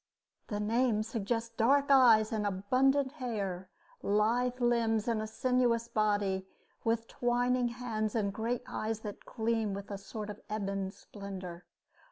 The name suggests dark eyes and abundant hair, lithe limbs and a sinuous body, with twining hands and great eyes that gleam with a sort of ebon splendor.